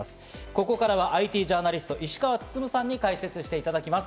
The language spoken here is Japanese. ここからはＩＴジャーナリスト・石川温さんに解説していただきます。